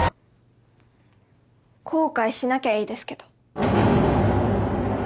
後悔しなきゃいいですけど。